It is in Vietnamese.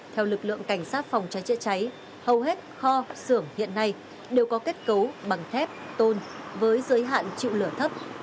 theo lực lượng cảnh sát phòng cháy chữa cháy hầu hết kho xưởng hiện nay đều có kết cấu bằng thép tôn với giới hạn chịu lửa thấp